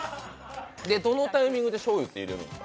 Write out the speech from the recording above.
どのタイミングでしょうゆは入れるの？